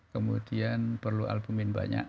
kemudian perlu albumin banyak